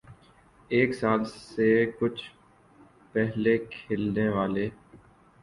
ایک سال سے کچھ پہلے کھلنے والے